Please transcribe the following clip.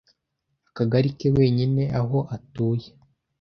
akagari ke wenyine aho atuye